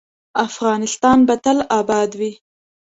افغانستان به تل اباد وي